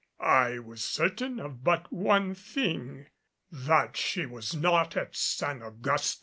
I was certain of but one thing that she was not at San Augustin.